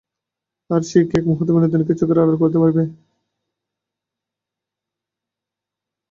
আর কি সে একমুহূর্তও বিনোদিনীকে চোখের আড়াল করিতে পারিবে।